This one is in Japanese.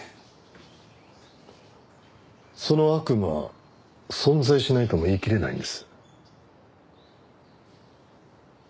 その悪魔存在しないとも言いきれないんです。